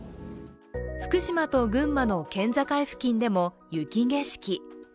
福島と群馬の県境付近でも雪景色。